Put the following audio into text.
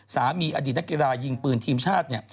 อดีตนักกีฬายิงปืนทีมชาติเนี่ย